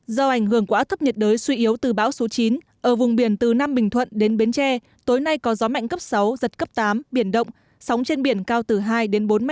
do ảnh hưởng của áp thấp nhiệt đới suy yếu từ bão số chín ở vùng biển từ nam bình thuận đến bến tre tối nay có gió mạnh cấp sáu giật cấp tám biển động sóng trên biển cao từ hai đến bốn m